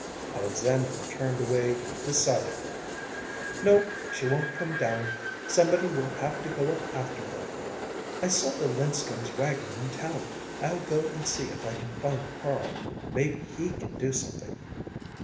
Alexandra turned away decidedly. "No, she won't come down. Somebody will have to go up after her. I saw the Linstrums' wagon in town. I'll go and see if I can find Carl. Maybe he can do something.